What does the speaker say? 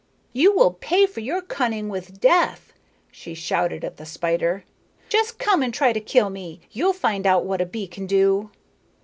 "You will pay for your cunning with death," she shouted at the spider. "Just come and try to kill me, you'll find out what a bee can do."